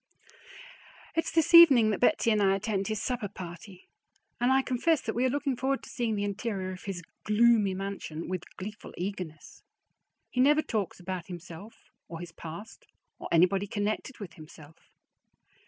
It's this evening that Betsy and I attend his supper party, and I confess that we are looking forward to seeing the interior of his gloomy mansion with gleeful eagerness. He never talks about himself or his past or anybody connected with himself.